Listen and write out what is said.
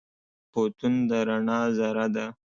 فوتون د رڼا ذره ده.